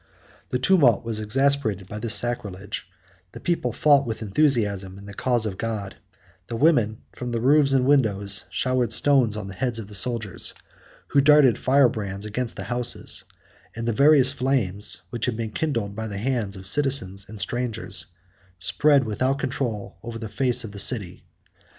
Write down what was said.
The tumult was exasperated by this sacrilege, the people fought with enthusiasm in the cause of God; the women, from the roofs and windows, showered stones on the heads of the soldiers, who darted fire brands against the houses; and the various flames, which had been kindled by the hands of citizens and strangers, spread without control over the face of the city.